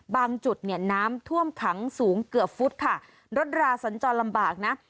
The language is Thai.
จุดเนี่ยน้ำท่วมขังสูงเกือบฟุตค่ะรถราสัญจรลำบากนะ